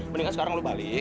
mendingan sekarang lu balik